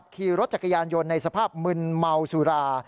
ขี่รถจักรยานยนต์ในสภาพมึนเมาสุรา